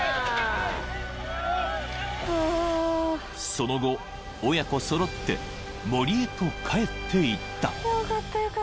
［その後親子揃って森へと帰っていった］